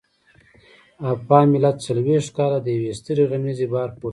افغان ملت څلويښت کاله د يوې سترې غمیزې بار پورته کړ.